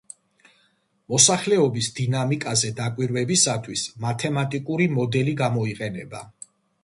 მოსახლეობის დინამიკაზე დაკვირვებისათვის მათემატიკური მოდელი გამოიყენება.